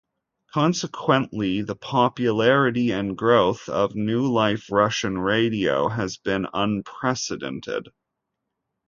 Consequently, the popularity and growth of New Life Russian Radio has been unprecedented.